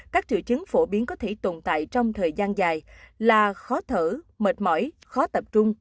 các triệu chứng phổ biến có thể tồn tại trong thời gian dài là khó thở mệt mỏi khó tập trung